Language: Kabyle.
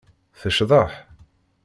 Tecḍeḥ.